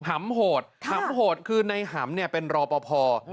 ำโหดหำโหดคือในหำเนี่ยเป็นรอปภ